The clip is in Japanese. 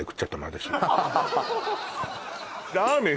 私ラーメン